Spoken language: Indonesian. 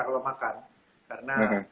kalau makan karena